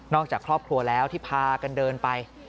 จากครอบครัวแล้วที่พากันเดินไป